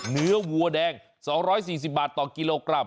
เนื้อวัวแดง๒๔๐บาทต่อกิโลกรัม